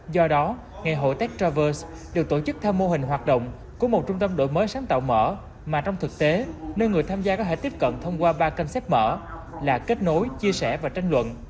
do đó ngày hội tech traverse được tổ chức theo mô hình hoạt động của một trung tâm đổi mới sáng tạo mở mà trong thực tế nơi người tham gia có thể tiếp cận thông qua ba kênh xếp mở là kết nối chia sẻ và tranh luận